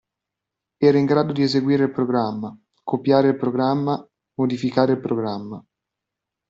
Era in grado di eseguire il programma, copiare il programma, modificare il programma.